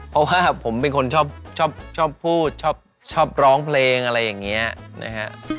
เพราะว่าผมเป็นคนชอบชอบพูดชอบร้องเพลงอะไรอย่างนี้นะฮะ